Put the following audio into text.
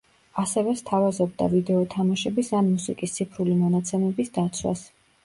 ასევე სთავაზობდა ვიდეო თამაშების ან მუსიკის ციფრული მონაცემების დაცვას.